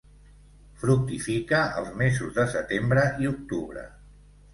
Fructifica els mesos de setembre i octubre.